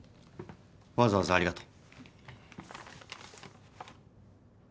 わざわざありがとう。